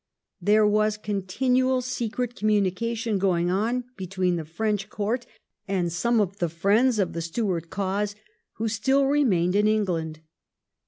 There was continual secret communication going on between the French Court and some of the 96 THE REIGN OF QUEEN ANNE. ch. xxv. friends of the Stuart cause who still remained in England.